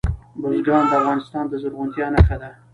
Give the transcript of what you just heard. بزګان د افغانستان د زرغونتیا نښه ده.